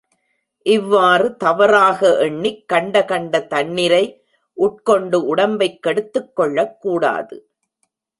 இவ்வாறு தவறாக எண்ணிக் கண்ட கண்ட தண்ணிரை உட்கொண்டு உடம்பைக் கெடுத்துக் கொள்ளக் கூடாது.